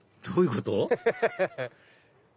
どういうこと？